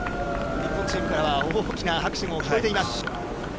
日本チームからは大きな拍手も送られています。